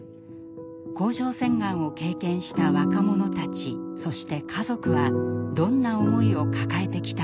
甲状腺がんを経験した若者たちそして家族はどんな思いを抱えてきたのか。